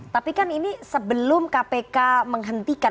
tapi kan ini sebelum kpk menghentikan